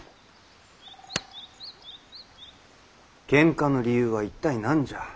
けんかの理由は一体何じゃ？